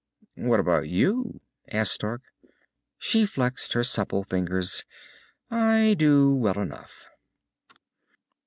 "What about you?" asked Stark. She flexed her supple fingers. "I do well enough."